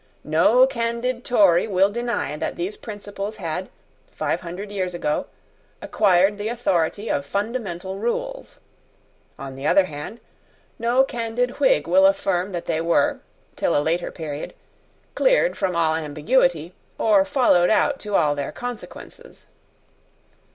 No candid Tory will deny that these principles had, five hundred years ago, acquired the authority of fundamental rules. On the other hand, no candid Whig will affirm that they were, till a later period, cleared from all ambiguity, or followed out to all their consequences.